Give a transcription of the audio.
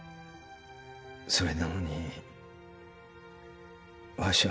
それなのにわしは